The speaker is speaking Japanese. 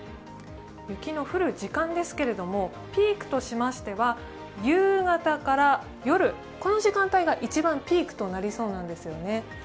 雪の降る時間ですけれどもピークとしましては、夕方から夜、この時間帯が一番ピークとなりそうなんですね。